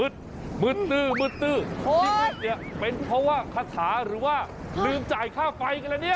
มืดตื้อมืดตื้อที่มืดเนี่ยเป็นเพราะว่าคาถาหรือว่าลืมจ่ายค่าไฟกันแล้วเนี่ย